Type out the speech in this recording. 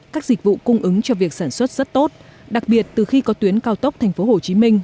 các dịch vụ cung ứng cho việc sản xuất rất tốt đặc biệt từ khi có tuyến cao tốc thành phố hồ chí minh